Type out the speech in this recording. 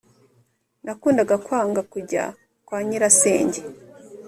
nakundaga kwanga kujya kwa nyirasenge,